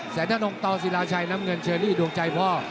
แสนทนงตศิราชัยน้ำเงินเชอรี่ดวงใจพ่อ